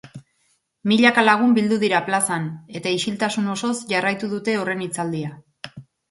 Milaka lagun bildu dira plazan, eta isiltasun osoz jarraitu dute horren hitzaldia.